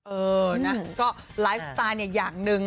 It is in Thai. เออนะก็ไลฟ์สไตล์เนี่ยอย่างหนึ่ง